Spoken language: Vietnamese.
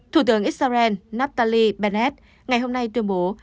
thủ tướng israel naftali bennett ngày hôm nay tuyên bố